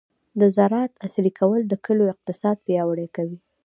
د زراعت عصري کول د کلیو اقتصاد پیاوړی کوي.